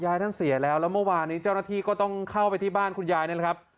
ท่านเสียแล้วแล้วเมื่อวานนี้เจ้าหน้าที่ก็ต้องเข้าไปที่บ้านคุณยายนี่แหละครับ